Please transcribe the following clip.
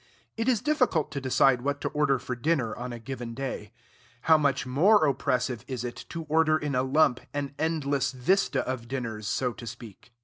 It is difficult to decide what to order for dinner on a given day: how much more oppressive is it to order in a lump an endless vista of dinners, so to speak!